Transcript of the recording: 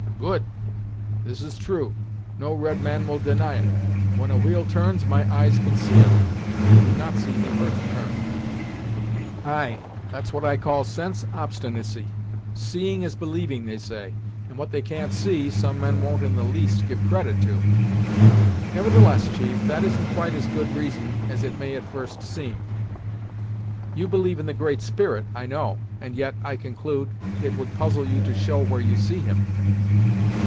"Good. This is true; no red man will deny it. When a wheel turns, my eyes can see it they do not see the earth turn." "Ay, that's what I call sense obstinacy! Seeing is believing, they say, and what they can't see, some men won't in the least give credit to. Neverthless, chief, that isn't quite as good reason as it mayat first seem. You believe in the Great Spirit, I know, and yet, I conclude, it would puzzle you to show where you see him!"